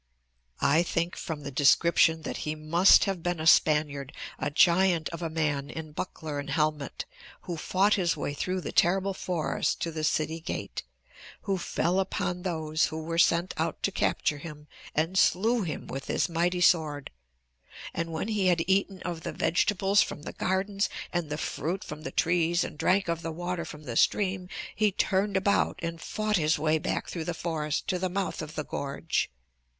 "I think from the description that he must have been a Spaniard, a giant of a man in buckler and helmet, who fought his way through the terrible forest to the city gate, who fell upon those who were sent out to capture him and slew them with his mighty sword. And when he had eaten of the vegetables from the gardens, and the fruit from the trees and drank of the water from the stream, he turned about and fought his way back through the forest to the mouth of the gorge.